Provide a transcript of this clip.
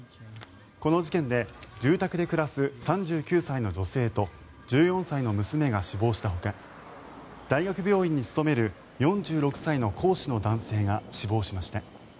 この事件で住宅で暮らす３９歳の女性と１４歳の娘が死亡したほか大学病院に勤める４６歳の講師の男性が死亡しました。